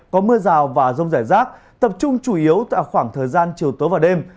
có mưa rào và rông rải rác tập trung chủ yếu tại khoảng thời gian chiều tối và đêm